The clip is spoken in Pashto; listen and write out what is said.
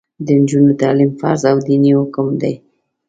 د نجونو تعلیم فرض او دیني حکم دی.